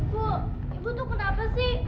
bu ibu kenapa sih